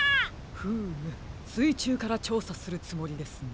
フームすいちゅうからちょうさするつもりですね。